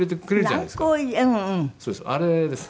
そうです。